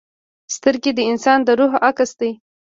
سترګې د انسان د روح عکس وي